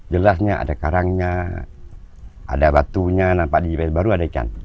jelasnya ada karangnya ada batunya nampak di baru ada ikan